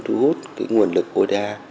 thú hút cái nguồn lực ôi đa